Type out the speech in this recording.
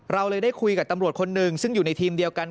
เราเลยได้คุยกับตำรวจคนหนึ่งซึ่งอยู่ในทีมเดียวกัน